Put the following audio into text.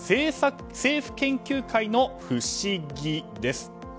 政府研究会の不思議です。